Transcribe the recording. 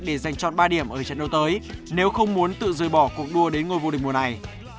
để giành chọn ba điểm ở trận đấu tới nếu không muốn tự rơi bỏ cuộc đua đến ngôi vô địch mùa này